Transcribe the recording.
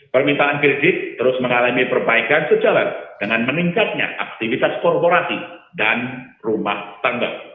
permintaan kredit terus mengalami perbaikan sejalan dengan meningkatnya aktivitas korporasi dan rumah tangga